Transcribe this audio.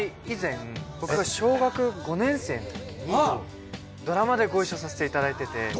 以前僕が小学５年生のときにドラマでご一緒させていただいてて。